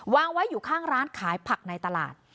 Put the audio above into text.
วางไว้อยู่ข้างร้านขายผักในตลาด